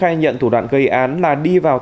khai nhận thủ đoạn gây án là đi vào